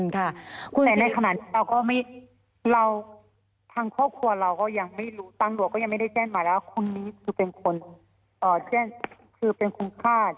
แต่ในขณะนี้ทางครอบครัวเราก็ยังไม่รู้ตังหลวงก็ยังไม่ได้แจ้งมาแล้วว่าคนนี้เป็นคนคุ้นค่าจริง